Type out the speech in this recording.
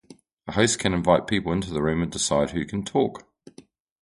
A host can invite people into the room and decide who can talk.